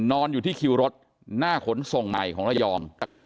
นอนอยู่ที่คิวรถหน้าขนส่งใหม่ของระยอง